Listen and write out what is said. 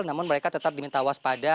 namun mereka tetap diminta waspada